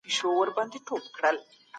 حکومت هڅه کوي د زعفرانو قاچاق مخه ونیسي.